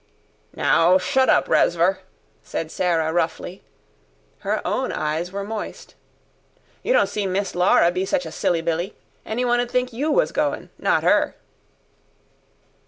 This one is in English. "Now, shut up, res'vor!" said Sarah roughly: her own eyes were moist. "You don't see Miss Laura be such a silly billy. Anyone 'ud think you was goin', not 'er."